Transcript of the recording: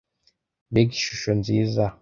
mbega ishusho nziza!